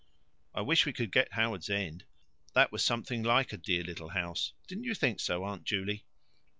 I wish we could get Howards End. That was something like a dear little house! Didn't you think so, Aunt Juley?"